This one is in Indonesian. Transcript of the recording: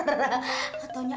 bodi emaknya yang super